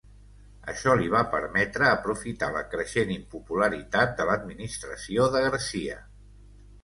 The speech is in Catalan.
Això li va permetre aprofitar la creixent impopularitat de l'administració de García.